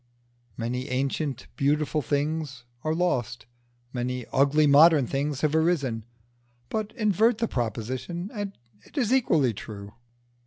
Many ancient beautiful things are lost, many ugly modern things have arisen; but invert the proposition and it is equally true.